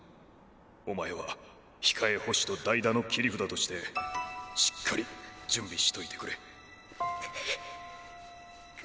お前は控え捕手と代打の切り札としてしっかり準備しといてくれ。